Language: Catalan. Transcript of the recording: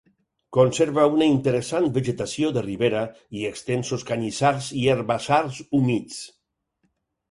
Conserva una interessant vegetació de ribera i extensos canyissars i herbassars humits.